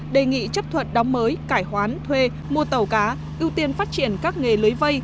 đề nghị chấp thuận đóng mới cải hoán thuê mua tàu cá ưu tiên phát triển các nghề lưới vây